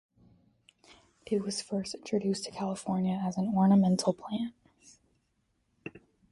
It was first introduced to California as an ornamental plant.